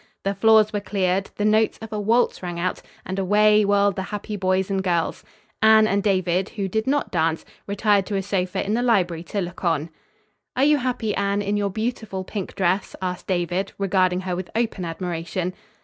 The floors were cleared. The notes of a waltz rang out, and away whirled the happy boys and girls. Anne and David, who did not dance, retired to a sofa in the library to look on. "Are you happy, Anne, in your beautiful pink dress?" asked David, regarding her with open admiration.